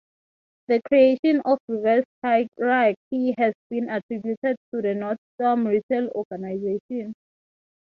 The creation of the reverse hierarchy has been attributed to the Nordstrom retail organization.